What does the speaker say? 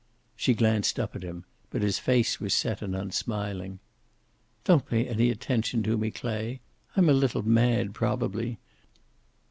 She glanced up at him, but his face was set and unsmiling. "Don't pay any attention to me, Clay. I'm a little mad, probably.